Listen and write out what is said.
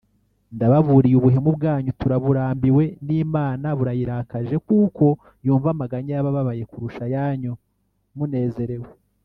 ndababuriye ubuhemu bwanyu turaburambiwe n’Imana burayirakaje kuko yumva amaganya y’abababaye kurusha ayanyu munezerewe